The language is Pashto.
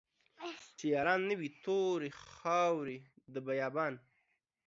چې ياران نه وي توري خاوري د بيا بان يې